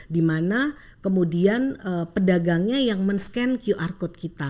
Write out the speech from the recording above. dimana kemudian pedagangnya yang men scan qr code kita